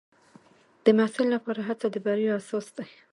د محصل لپاره هڅه د بریا اساس دی.